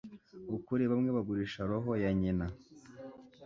ukuri Bamwe bagurisha roho ya nyina